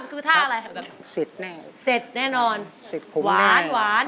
เขาอย่างงี้ทำคือท่าอะไร